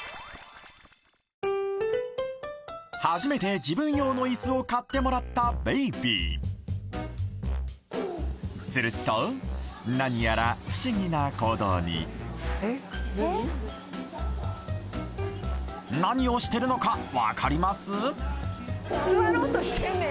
初めて自分用のイスを買ってもらったベイビーすると何やら不思議な行動に何をしてるのか分かります？